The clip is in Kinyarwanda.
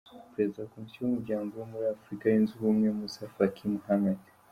Perezida wa Komisiyo y'Umuryango wa Afurika Yunze Ubumwe, Moussa Faki Mahamat .